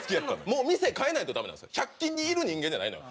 もう店変えないとダメなんですよ１００均にいる人間じゃないのよ。